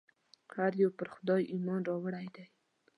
هر یو پر خدای ایمان راوړی دی.